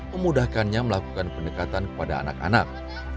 memudahkannya melakukan pendekatan kepada anak anak